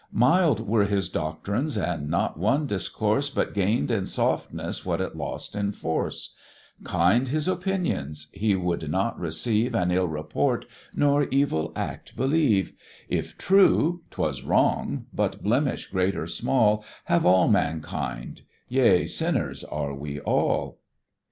Mild were his doctrines, and not one discourse But gain'd in softness what it lost in force: Kind his opinions; he would not receive An ill report, nor evil act believe; "If true, 'twas wrong; but blemish great or small Have all mankind; yea, sinners are we all."